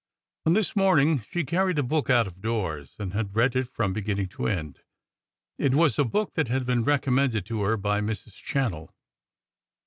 On this morning she had carried a book out of doors, and had read it from beginning to end. It was a book that had been recommended to her by Mrs. Channell.